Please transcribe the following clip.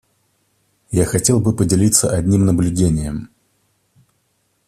Я хотел бы поделиться одним наблюдением.